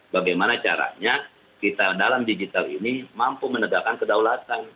bagaimana caranya kita dalam digital ini mampu menegakkan kedaulatan